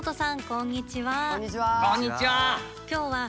こんにちは！